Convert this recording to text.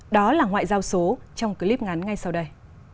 đó là ngoại giao số trong clip ngắn ngay sau đây